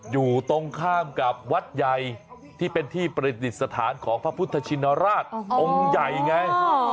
อยู่ตรงข้ามกับวัดใหญ่ที่เป็นที่ประดิษฐานของพระพุทธชินราชองค์ใหญ่ไง